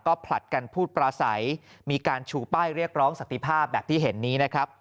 ผลัดกันพูดปลาใสมีการชูป้ายเรียกร้องสันติภาพแบบที่เห็นนี้นะครับ